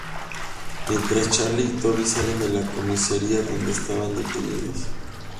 Mientras, Charlie y Toby salen de la comisaria donde estaban detenidos.